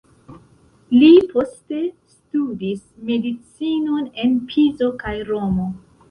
Li poste studis medicinon en Pizo kaj Romo.